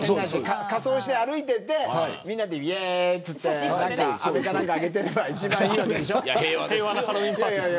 仮装して歩いていてみんなでイエーイって飴かなんかあげてれば一番いいわけでしょ。